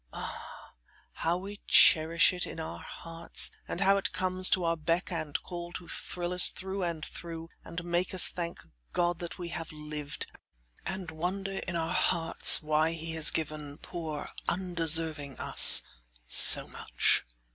Ah! how we cherish it in our hearts, and how it comes at our beck and call to thrill us through and through and make us thank God that we have lived, and wonder in our hearts why he has given poor undeserving us so much.